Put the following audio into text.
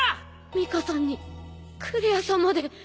ミカさんにクレアさんまで。